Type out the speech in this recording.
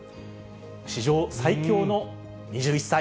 史上最強の２１歳。